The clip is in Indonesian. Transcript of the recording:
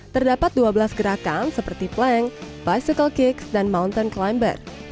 terdapat dua belas gerakan seperti plank bicycle kicks dan mountain climber